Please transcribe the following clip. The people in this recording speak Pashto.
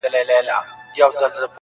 ښکلي همېش د سترګو پاس دا لړمان ساتي ,